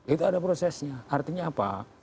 itu ada prosesnya artinya apa